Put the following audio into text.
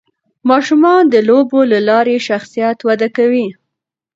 ماشومان د لوبو له لارې شخصیت وده کوي.